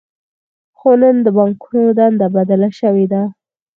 خو نن د بانکونو دنده بدله شوې ده